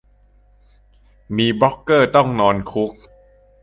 มีบล็อกเกอร์ต้องนอนคุก